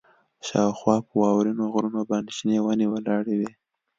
شاوخوا په واورینو غرونو باندې شنې ونې ولاړې وې